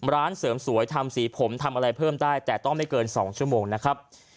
ร้านเสริมสวยทำสีผมทำอะไรเพิ่มได้แต่ต้องไม่เกิน๒ชั่วโมงนะครับ